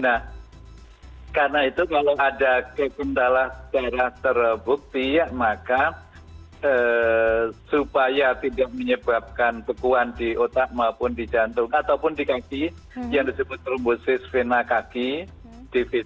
nah karena itu kalau ada kegendala darah terbukti maka supaya tidak menyebabkan bekuan di otak maupun di jantung ataupun di kaki yang disebut trombosis vena kaki divisi